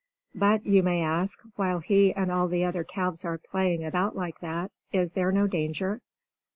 But, you may ask, while he and all the other calves are playing about like that, is there no danger?